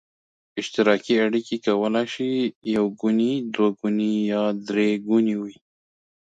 اشتراکي اړیکې کولای شي یو ګوني، دوه ګوني یا درې ګوني وي.